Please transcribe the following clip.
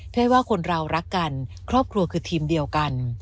เพื่อให้ว่าคนเรารักกันครอบครัวคือทีมเดียวกัน